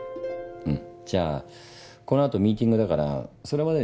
うんじゃあこのあとミーティングだからそれまでに。